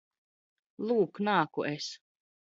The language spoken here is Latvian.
Lūk, nāku es!